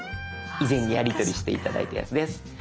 以前やり取りして頂いたやつです。